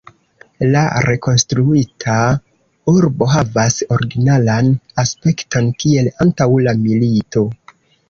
La rekonstruita urbo havas originalan aspekton kiel antaŭ la milito.